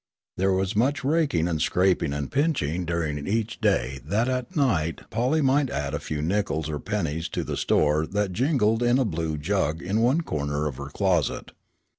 There was much raking and scraping and pinching during each day that at night Polly might add a few nickels or pennies to the store that jingled in a blue jug in one corner of her closet.